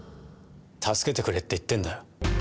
助けてくれって言ってんだよ。